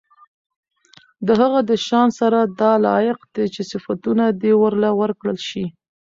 د هغه د شان سره دا لائق دي چې صفتونه دي ورله وکړل شي